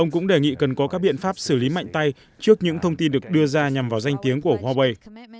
ông cũng đề nghị cần có các biện pháp xử lý mạnh tay trước những thông tin được đưa ra nhằm vào danh tiếng của huawei